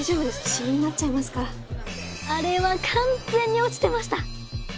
シミになっちゃいますからあれは完全に落ちてました。